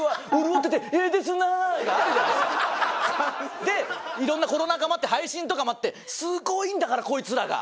「ええなぁ」。でいろんなコロナ禍もあって配信とかもあってすごいんだからこいつらが。